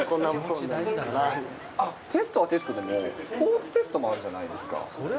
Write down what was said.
テストはテストでも、スポーツテストもあるじゃないですか。